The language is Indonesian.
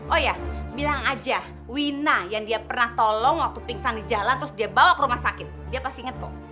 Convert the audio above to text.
oh ya bilang aja wina yang dia pernah tolong waktu pingsan di jalan terus dia bawa ke rumah sakit dia pasti ingat kok